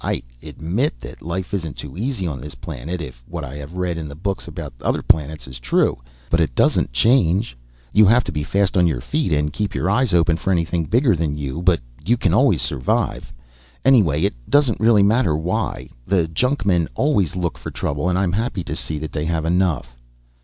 I admit that life isn't too easy on this planet ... if what I have read in the books about other planets is true ... but it doesn't change. You have to be fast on your feet and keep your eyes open for anything bigger than you, but you can survive. Anyway, it doesn't really matter why. The junkmen always look for trouble and I'm happy to see that they have enough."